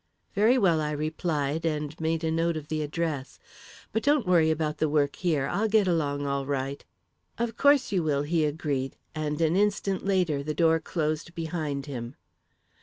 "Very well," I replied and made a note of the address. "But don't worry about the work here. I'll get along all right." "Of course you will," he agreed, and an instant later, the door closed behind him.